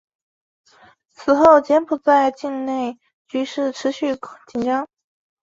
此后柬埔寨境内局势持续紧张。